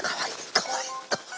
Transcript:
かわいい！